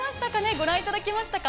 御覧いただけましたか？